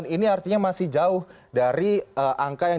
ini artinya masih jauh dari angka yang